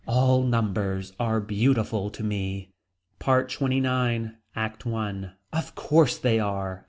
All numbers are beautiful to me. PART XXIX. ACT I. Of course they are.